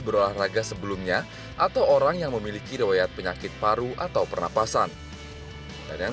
berolahraga sebelumnya atau orang yang memiliki rewayat penyakit paru atau pernapasan dan yang